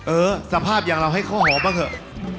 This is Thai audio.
เออสภาพอย่างเราให้ข้าวหอมบ้างเถอะ